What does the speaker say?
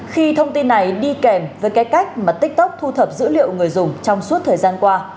khi thông tin này đi kèm với cái cách mà tiktok thu thập dữ liệu người dùng trong suốt thời gian qua